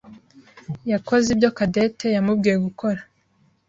yakoze ibyo Cadette yamubwiye gukora.